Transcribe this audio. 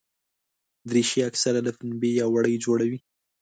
دریشي اکثره له پنبې یا وړۍ جوړه وي.